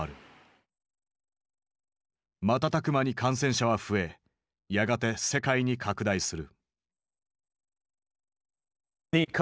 瞬く間に感染者は増えやがて世界に拡大する。